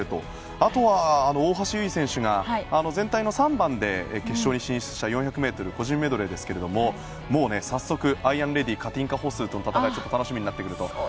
あとは、大橋悠依選手が全体の３番で決勝に進出した４００ｍ個人メドレーですが早速アイアンレディカティンカ・ホッスーとの戦いが楽しみになってくると。